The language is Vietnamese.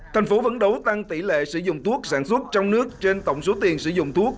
thành phố vẫn đấu tăng tỷ lệ sử dụng thuốc sản xuất trong nước trên tổng số tiền sử dụng thuốc